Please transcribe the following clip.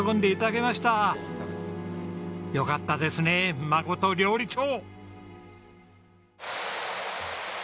よかったですね真料理長。